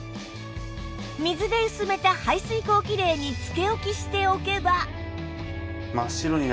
水で薄めた排水口キレイにつけ置きしておけば